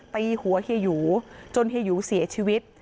ตีหัวเฮียหยูจนเฮียหยูเสียชีวิต